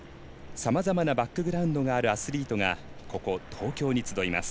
さまざまなバックグラウンドがあるアスリートがここ、東京に集います。